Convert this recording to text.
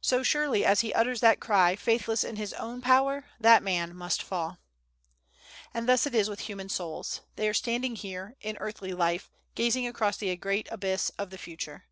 So surely as he utters that cry, faithless in his own power, that man must fall. And thus it is with human souls. They are standing here, in earthly life, gazing across the great abyss of the Future.